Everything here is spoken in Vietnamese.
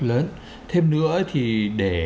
lớn thêm nữa thì để